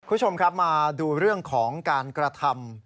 คุณผู้ชมครับมาดูเรื่องของการกระทำ